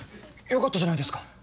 よかったじゃないですか。